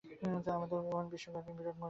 আমাদের মন বিশ্বব্যাপী বিরাট মনেরই অংশমাত্র।